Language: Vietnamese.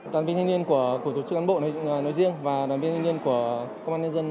đoàn viên thanh niên của tổ chức cán bộ nói riêng và đoàn viên thanh niên của công an nhân dân